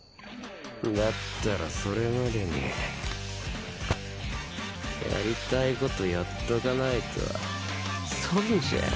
だったらそれまでにやりたいことやっとかないと損じゃん。